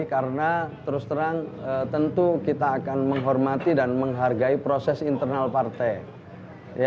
karena terus terang tentu kita akan menghormati dan menghargai proses internal partai